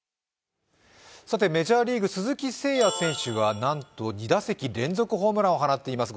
メジャーリーグ鈴木誠也選手がなんと２打席連続ホームランを放っています。